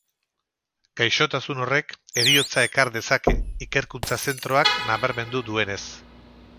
Gaixotasun horrek heriotza ekar dezake, ikerkuntza zentroak nabarmendu duenez.